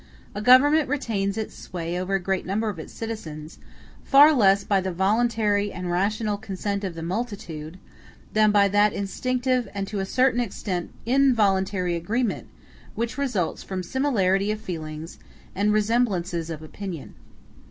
A government retains its sway over a great number of citizens, far less by the voluntary and rational consent of the multitude, than by that instinctive, and to a certain extent involuntary agreement, which results from similarity of feelings and resemblances of opinion.